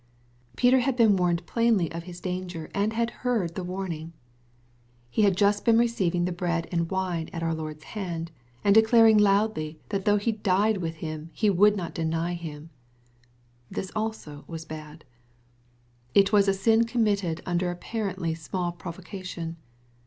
Peter had been warned plainly of his danger, and had heard the warning. He had just been receiving the bread and wine at our Lord's hand, and declaring loudly that though he died with Him, he would not deny Him !— This also was bad. — It was a sin committed under apparently small provocation.